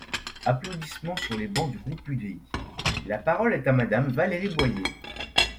(Applaudissements sur les bancs du groupe UDI.) La parole est à Madame Valérie Boyer.